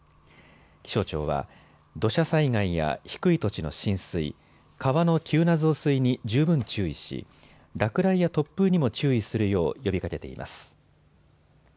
気象庁は土砂災害や低い土地の浸水、川の急な増水に十分注意し落雷や突風にも注意するよう呼びかけています。